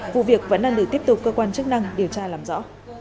vụ việc vẫn đang được tiếp tục cơ quan chức năng điều tra làm rõ